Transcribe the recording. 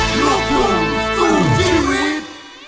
ลูกคุมสู่ทีวีด